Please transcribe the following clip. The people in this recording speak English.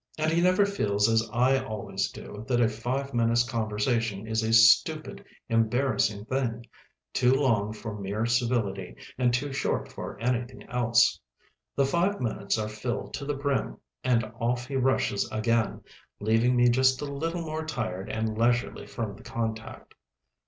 And he never feels, as I always do, that a five minutes' conversation is a stupid, embarrassing thing, too long for mere civility and too short for anything else. The five minutes are filled to the brim and off he rushes again, leaving me just a little more tired and leisurely from the contact.